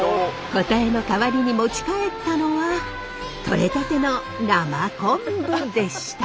答えの代わりに持ち帰ったのは取れたての生コンブでした。